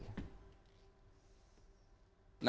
pertanyaan yang diperoleh oleh wakil menteri di kabinet indonesia maju